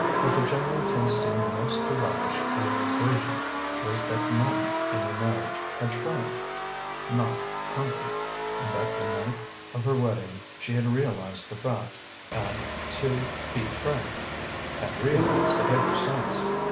What the general taste seemed most to relish as a version was that madame in her marriage had triumphed, not conquered; and that the night of her wedding she had realized the fact, and, to be frank, had realized it ever since.